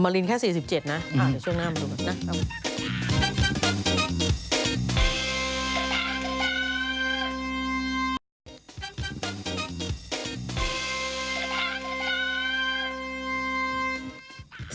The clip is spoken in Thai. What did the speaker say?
อะมารินแค่๔๗นะช่วงหน้ามาดูก่อนนะ